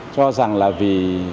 cho rằng là vì